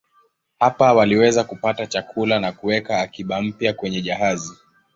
Hapa waliweza kupata chakula na kuweka akiba mpya kwenye jahazi.